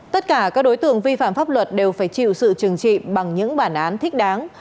tất cả các đối tượng vi phạm pháp luật đều phải chịu sự trừng trị bằng những bản án thích đáng